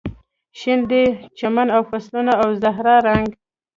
شین دی د چمن او فصلونو او زهرا رنګ